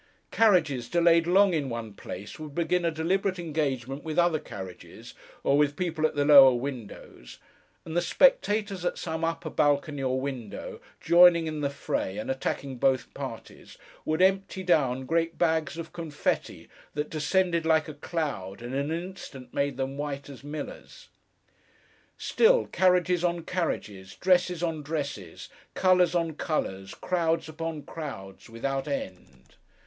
Carriages, delayed long in one place, would begin a deliberate engagement with other carriages, or with people at the lower windows; and the spectators at some upper balcony or window, joining in the fray, and attacking both parties, would empty down great bags of confétti, that descended like a cloud, and in an instant made them white as millers. Still, carriages on carriages, dresses on dresses, colours on colours, crowds upon crowds, without end.